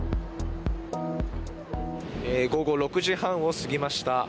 午後６時半を過ぎました。